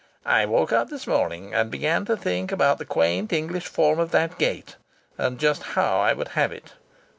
I woke up this morning and began to think about the quaint English form of that gate, and just how I would have it."